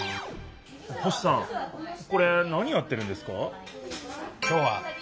星さんこれ何やってるんですか？